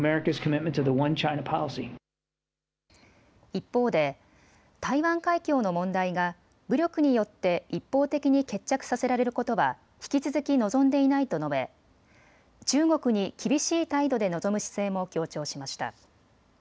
一方で、台湾海峡の問題が武力によって一方的に決着させられることは引き続き望んでいないと述べ、中国に厳しい態度で臨む姿勢も強調しました。